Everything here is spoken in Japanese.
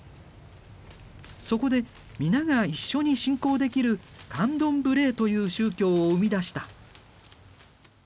そこで皆が一緒に信仰できるカンドンブレーという宗教を生み出した。